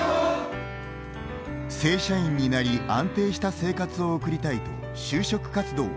正社員になり安定した生活を送りたいと就職活動を開始。